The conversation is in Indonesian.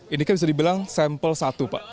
ini kan bisa dibilang sampel satu pak